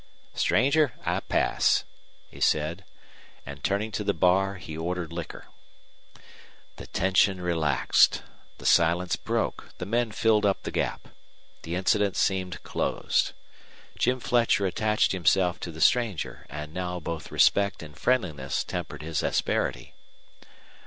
"Stranger, I pass," he said, and, turning to the bar, he ordered liquor. The tension relaxed, the silence broke, the men filled up the gap; the incident seemed closed. Jim Fletcher attached himself to the stranger, and now both respect and friendliness tempered his asperity.